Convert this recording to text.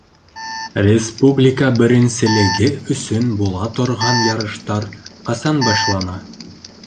Республика беренселеге өсөн була торған ярыштар ҡасан башлана?